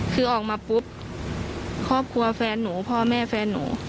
คือออกมาปุ๊บครอบครัวแฟนหนูพ่อแม่แฟนหนู